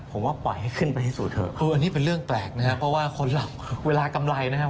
ผมว่าปล่อยให้ขึ้นไปที่สุดเถอะคืออันนี้เป็นเรื่องแปลกนะครับเพราะว่าคนหลับเวลากำไรนะครับ